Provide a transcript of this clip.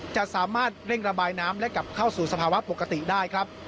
จะสามารถเร่งระบายน้ำและกลับเข้าสู่สภาวะปกติได้ครับ